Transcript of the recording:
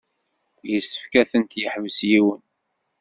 Yessefk ad tent-yeḥbes yiwen.